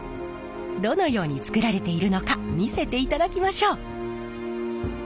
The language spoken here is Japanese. どのようにつくられているのか見せていただきましょう！